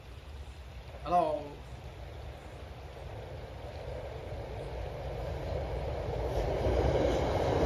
More than a few people expand its spread all the way to Livernois.